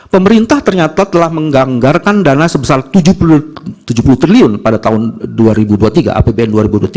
pemerintah ternyata telah mengganggarkan dana sebesar tujuh puluh triliun pada tahun dua ribu dua puluh tiga apbn dua ribu dua puluh tiga